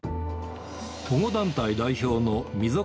保護団体代表のみぞ